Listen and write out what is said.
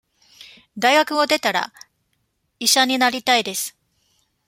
大学を出たら、医者になりたいです。